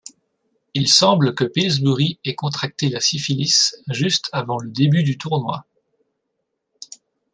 Il semble que Pillsbury ait contracté la syphilis juste avant le début du tournoi.